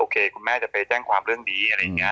โอเคคุณแม่จะไปแจ้งความเรื่องนี้